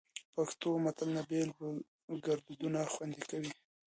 پښتو متلونه بېلابېل ګړدودونه خوندي کوي